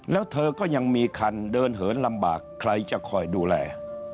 แล้วเธอก็ยังมีคันเดินเหินลำบากใครจะคอยดูแล